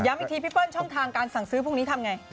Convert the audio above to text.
อีกทีพี่เปิ้ลช่องทางการสั่งซื้อพรุ่งนี้ทำไง